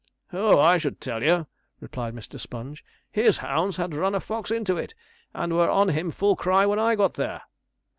'Oh! I should tell you,' replied Mr. Sponge, 'his hounds had run a fox into it, and were on him full cry when I got there.'